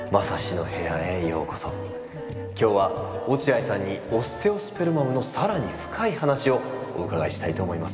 今日は落合さんにオステオスペルマムの更に深い話をお伺いしたいと思います。